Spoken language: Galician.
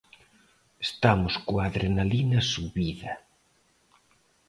Estamos coa adrenalina subida.